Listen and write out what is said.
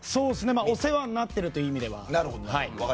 お世話になってるという意味では。